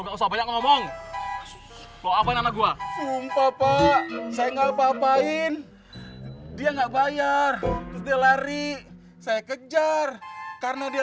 ngomong apa apaan gua sumpah pak saya ngapa apain dia enggak bayar dia lari saya kejar karena dia